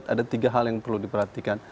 ada tiga hal yang perlu diperhatikan